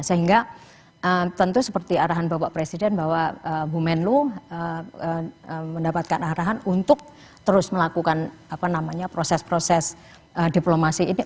sehingga tentu seperti arahan bapak presiden bahwa bu menlu mendapatkan arahan untuk terus melakukan proses proses diplomasi ini